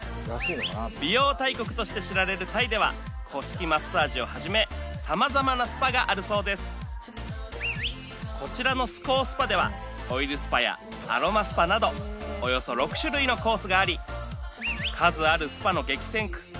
美容大国として知られるタイでは古式マッサージをはじめ様々なスパがあるそうですこちらのスコースパではオイルスパやアロマスパなどおよそ６種類のコースがあり数あるスパの激戦区